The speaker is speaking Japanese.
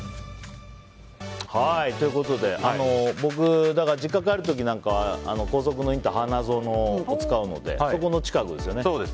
ということで、僕実家に帰る時なんかは高速のインター、花園を使うのでそこの近くですよね。